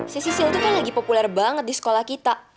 si sisil tuh kan lagi populer banget di sekolah kita